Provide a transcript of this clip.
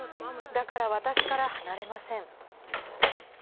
だから私から離れません。